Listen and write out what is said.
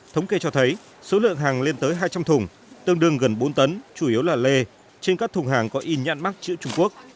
thống kê cho thấy số lượng hàng lên tới hai trăm linh thùng tương đương gần bốn tấn chủ yếu là lê trên các thùng hàng có in nhãn mắc chữ trung quốc